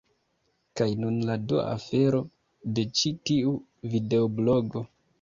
Kaj nun la dua afero, de ĉi tiu videoblogo